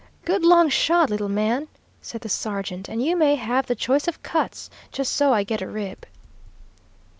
"Good long shot, little man," said the sergeant, "and you may have the choice of cuts, just so I get a rib."